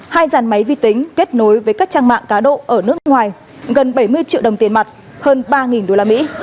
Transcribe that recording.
hai dàn máy vi tính kết nối với các trang mạng cá độ ở nước ngoài gần bảy mươi triệu đồng tiền mặt hơn ba đô la mỹ